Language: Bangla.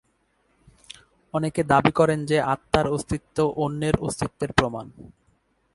অনেকে দাবি করেন যে আত্মার অস্তিত্ব অন্যের অস্তিত্বের প্রমাণ।